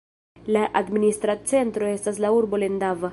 La administra centro estas la urbo Lendava.